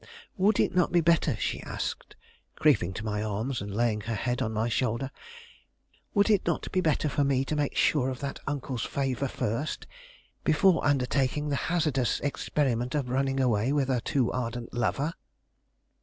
"Would it not be better," she asked, creeping to my arms, and laying her head on my shoulder, "would it not be better for me to make sure of that uncle's favor first, before undertaking the hazardous experiment of running away with a too ardent lover?"